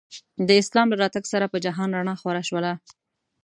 د اسلام له راتګ سره په جهان رڼا خوره شوله.